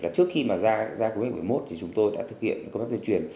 trước khi ra quốc hội một mươi một chúng tôi đã thực hiện công tác tuyên truyền